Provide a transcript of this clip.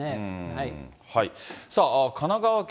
神奈川県